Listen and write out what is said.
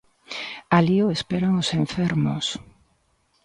Alí o esperan os enfermos.